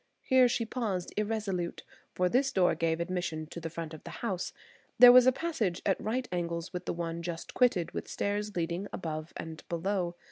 Here she paused irresolute, for this door gave admission to the front of the house; there was a passage at right angles with the one just quitted, with stairs leading above and below.